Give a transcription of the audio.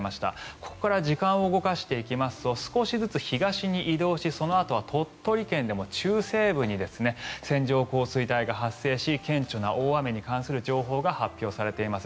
ここから時間を動かしていきますと少しずつ東に移動しそのあとは鳥取県でも中西部に線状降水帯が発生し顕著な大雨に関する情報が発表されています。